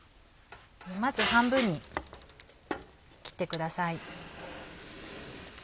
まず半分に切ってください。